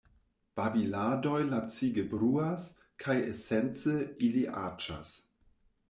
Babiladoj lacige bruas, kaj esence, ili aĉas.